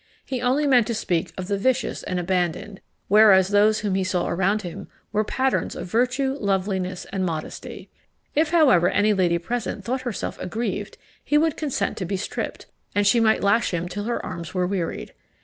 He only meant to speak of the vicious and abandoned, whereas those whom he saw around him were patterns of virtue, loveliness, and modesty. If, however, any lady present thought herself aggrieved, he would consent to be stripped, and she might lash him till her arms were wearied.